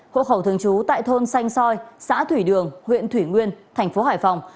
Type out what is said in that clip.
hộ khẩu thường trú tại thôn xanh soi xã thủy đường huyện thủy nguyên thành phố hải phòng